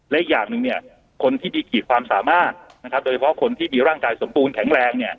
และอีกอย่างนึงคนที่มีคีดความสามารถโดยเฉพาะคนที่มีร่างกายสมบูรณ์แข็งแรง